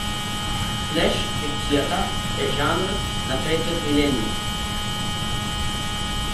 Флеш фикцијата е жанр на третиот милениум.